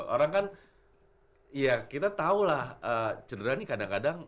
orang kan ya kita tahu lah cedera nih kadang kadang